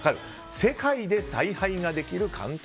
世界で采配ができる監督。